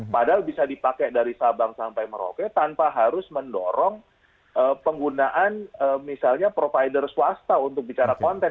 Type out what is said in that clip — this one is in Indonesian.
padahal bisa dipakai dari sabang sampai merauke tanpa harus mendorong penggunaan misalnya provider swasta untuk bicara konten